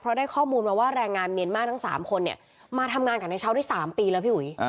เพราะได้ข้อมูลมาว่าแรงงานเมียนมาร์ทั้ง๓คนเนี่ยมาทำงานกับนายเช้าได้๓ปีแล้วพี่อุ๋ย